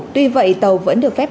tuy vậy tàu vẫn được phép